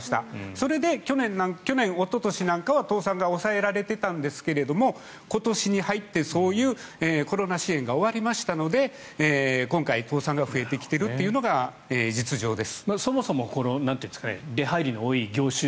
それで去年おととしなんかは倒産が抑えられてたんですが今年に入ってそういうコロナ支援が終わりましたので今回、倒産が増えてきてるというのが実情です。